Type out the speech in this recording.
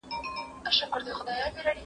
صحي خواړه کوم دي؟